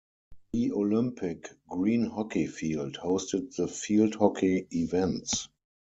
The Olympic Green Hockey Field hosted the field hockey events.